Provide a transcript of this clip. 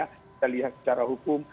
kita lihat secara hukum